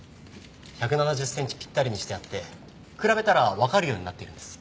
１７０センチぴったりにしてあって比べたらわかるようになっているんです。